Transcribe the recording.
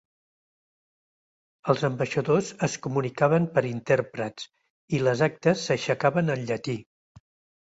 Els ambaixadors es comunicaven per intèrprets i les actes s'aixecaven en llatí.